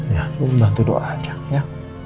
ya lu bantu doa aja ya